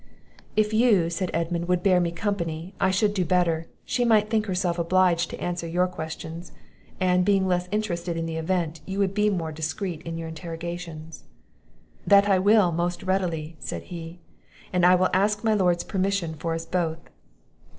"If you," said Edmund, "would bear me company, I should do better; she might think herself obliged to answer your questions; and, being less interested in the event, you would be more discreet in your interrogations." "That I will most readily," said he; "and I will ask my lord's permission for us both."